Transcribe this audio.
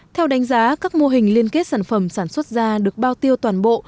theo đánh giá các mô hình liên kết sản phẩm sản xuất ra được bao tiêu toàn bộ